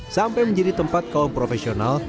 sampai menjadi tempat kaum profesional